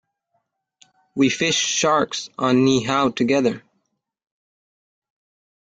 We fished sharks on Niihau together.